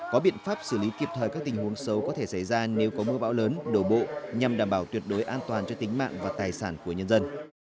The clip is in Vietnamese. có biện pháp xử lý kịp thời các tình huống xấu có thể xảy ra nếu có mưa bão lớn đổ bộ nhằm đảm bảo tuyệt đối an toàn cho tính mạng và tài sản của nhân dân